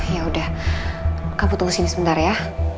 yaudah kamu tunggu sebentar ya